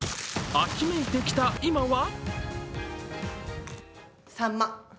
秋めいてきた今は？